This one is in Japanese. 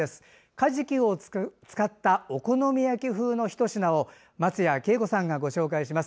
かじきを使ったお好み焼き風のひと品を松谷紀枝子さんがご紹介します。